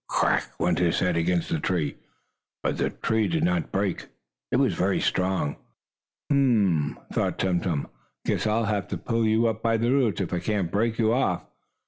"Crack!" went his head against the tree, but the tree did not break. It was very strong. "Humph!" thought Tum Tum. "I guess I'll have to pull you up by the roots if I can't break you off."